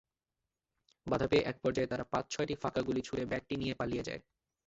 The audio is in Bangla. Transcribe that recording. বাধা পেয়ে একপর্যায়ে তারা পাঁচ-ছয়টি ফাঁকা গুলি ছুড়ে ব্যাগটি নিয়ে পালিয়ে যায়।